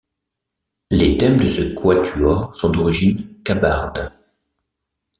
Les thèmes de ce quatuor sont d'origine kabarde.